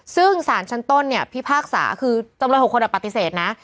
ซึ่งสารชั้นต้นเนี่ยพิพากษาคือจำเลย๖คนปฏิเสธนะ